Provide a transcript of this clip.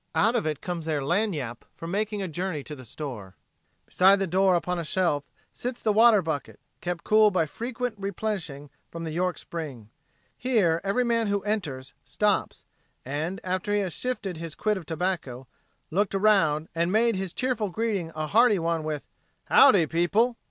Out of it comes their lagnappe for making a journey to the store. Beside the door upon a shelf sits the water bucket, kept cool by frequent replenishing from the York spring. Here every man who enters stops; and, after he has shifted his quid of tobacco, looked around, and made his cheerful greeting a hearty one with, "Howdy people!"